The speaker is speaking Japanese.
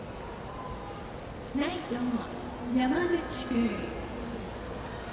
ライト、山口君。